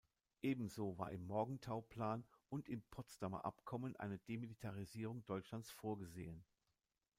Ebenso war im Morgenthauplan und im Potsdamer Abkommen eine Demilitarisierung Deutschlands vorgesehen.